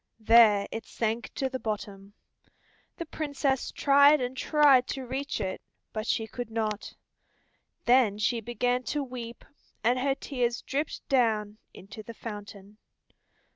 There it sank to the bottom. The Princess tried and tried to reach it, but she could not. Then she began to weep, and her tears dripped down into the fountain.